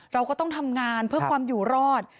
เราก็ต้องทำงานเพื่อความอยู่รอด